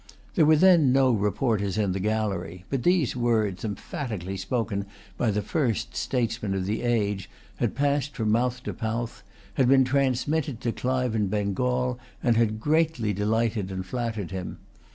There were then no reporters in the gallery; but these words, emphatically spoken by the first statesman of the age, had passed from mouth to mouth, had been transmitted to Clive in Bengal, and had greatly delighted and flattered him.